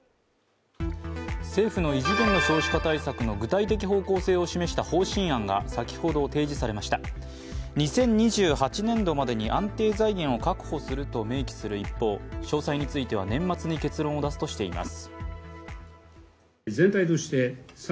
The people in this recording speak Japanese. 政府の異次元の少子化対策の具体的方向性を示した方針案が先ほど提示されました、２０２８年度までに安定財源を確保すると明記する一方、詳細については年末に結論を出すとしています。